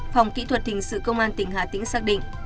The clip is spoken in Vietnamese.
phòng kỹ thuật hình sự công an tỉnh hà tĩnh xác định